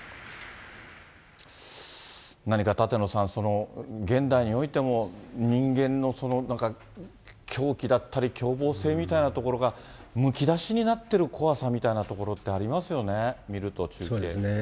何か舘野さん、現代においても、人間のなんか、狂気だったり、凶暴性みたいなところがむき出しになっている怖さみたいなところって、ありますよね、見ると、中継。